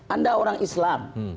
anda orang islam